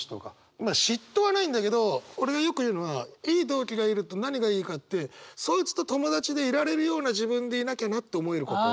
まあ嫉妬はないんだけど俺がよく言うのはいい同期がいると何がいいかってそいつと友達でいられるような自分でいなきゃなって思えることというか。